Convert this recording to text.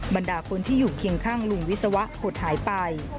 บรรดาคนที่อยู่เคียงข้างลุงวิศวะหดหายไป